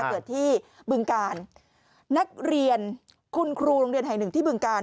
เกิดที่บึงกาลนักเรียนคุณครูโรงเรียนแห่งหนึ่งที่บึงกาล